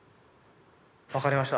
分かりました。